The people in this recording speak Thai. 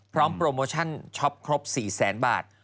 พร้อมโปรโมชั่นช็อปครบ๔แสนบาท